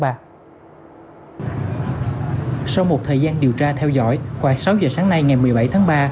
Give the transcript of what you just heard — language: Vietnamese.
sau một thời gian điều tra theo dõi khoảng sáu giờ sáng nay ngày một mươi bảy tháng ba